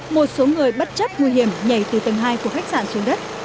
một số người bất chấp nguy hiểm nhảy từ tầng hai của khách sạn xuống đất